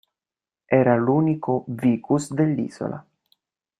Era l'unico "vicus" dell'isola.